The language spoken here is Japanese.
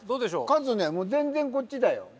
カズね全然こっちだよ。